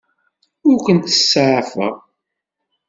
Ur kent-ttsaɛafeɣ.